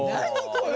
これ！